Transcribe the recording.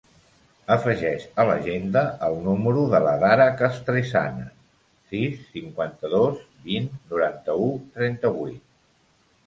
Afegeix a l'agenda el número de l'Adhara Castresana: sis, cinquanta-dos, vint, noranta-u, trenta-vuit.